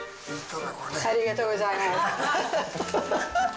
ありがとうございます。